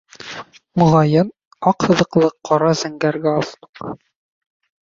Моғайын, аҡ һыҙыҡлы ҡара зәңгәр галстук